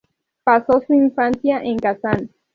Pasó su infancia en Kazán.